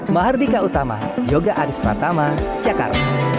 mahardika utama yoga adis pertama cakar